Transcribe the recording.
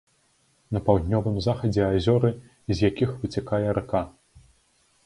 На паўднёвым захадзе азёры, з якіх выцякае рака.